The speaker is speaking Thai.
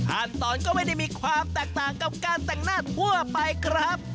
ขั้นตอนก็ไม่ได้มีความแตกต่างกับการแต่งหน้าทั่วไปครับ